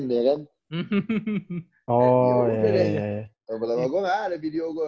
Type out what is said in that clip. oh iya iya tahun pertama gue gak ada video gue